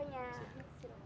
hanya pengen cerita sama kamu